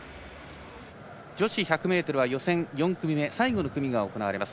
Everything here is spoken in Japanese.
女子１００ｍは予選４組目最後の組みが行われます。